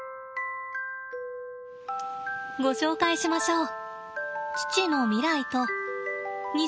ご紹介しましょう。